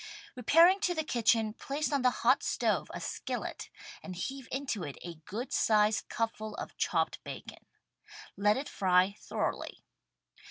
Repairing to the kitchen, place on the hot stove a skillet and heave into it a good sized cupful of chopped bacon. Let it fry thoroughly.